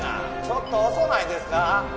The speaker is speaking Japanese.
「ちょっと遅うないですか？」